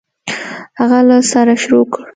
هغه له سره شروع کړ.